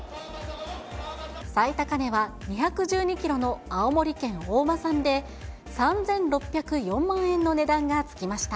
最高値は２１２キロの青森県大間産で、３６０４万円の値段がつきました。